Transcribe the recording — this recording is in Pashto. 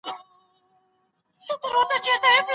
زرلکه